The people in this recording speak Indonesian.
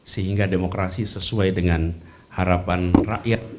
sehingga demokrasi sesuai dengan harapan rakyat